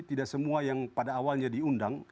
tidak semua yang pada awalnya diundang